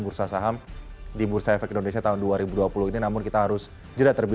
bursa saham di bursa efek indonesia tahun dua ribu dua puluh ini namun kita harus jeda terlebih